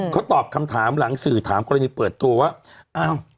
เขาตอบคำถามหลังสื่อถามก็เรียกเปิดตัวว่า